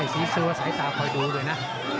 สีเสื้อสายตาคอยดูด้วยนะ